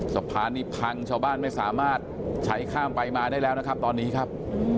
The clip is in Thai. สะพานนี้พังชาวบ้านไม่สามารถใช้ข้ามไปมาได้แล้วนะครับตอนนี้ครับ